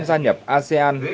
gia nhập asean